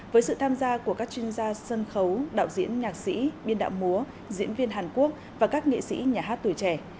với sự tham gia của các chuyên gia sân khấu đạo diễn nhạc sĩ biên đạo múa diễn viên hàn quốc và các nghệ sĩ nhà hát tuổi trẻ